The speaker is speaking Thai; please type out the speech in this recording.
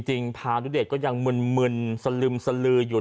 พานุเดชก็ยังมึนสลึมสลืออยู่